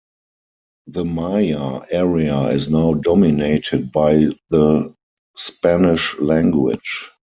The Maya area is now dominated by the Spanish language.